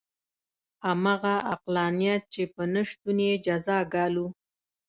همغه عقلانیت چې په نه شتون یې جزا ګالو.